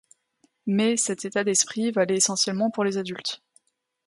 Mais cet état d'esprit valait essentiellement pour les adultes.